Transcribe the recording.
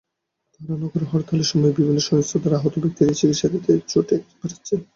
তাঁরা নগরে হরতালের সময় বিভিন্ন সহিংসতায় আহত ব্যক্তিদের চিকিৎসেবা দিতেই ছুটে বেড়াচ্ছেন।